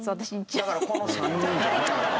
だからこの３人じゃない。